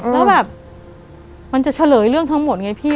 แล้วแบบมันจะเฉลยเรื่องทั้งหมดไงพี่